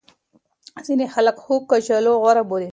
ځینې خلک خوږ کچالو غوره بولي.